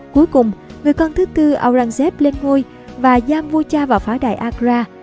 cuối cùng người con thứ tư aurangzeb lên ngôi và giam vua cha vào pháo đài agra